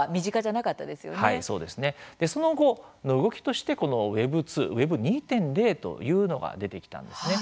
はい、その後の動きとしてこのＷｅｂ２、Ｗｅｂ２．０というのが出てきたんですね。